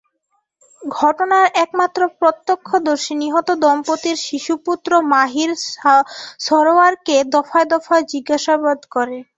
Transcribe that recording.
ঘটনার একমাত্র প্রত্যক্ষদর্শী নিহত দম্পতির শিশুপুত্র মাহীর সরওয়ারকে দফায় দফায় জিজ্ঞাসাবাদ করে।